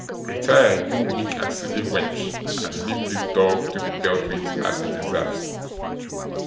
Retire, you weak and silly wench, and leave this dog to be dealt with as he deserves.